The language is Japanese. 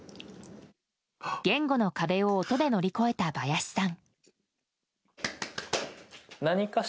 言語の壁を音で乗り越えたバヤシさん。